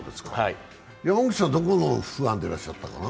山口さん、どこのファンでいらっしゃったかな？